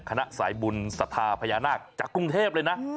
คณะสายบุญศรัทธาพญานาคจากกรุงเทพเลยนะ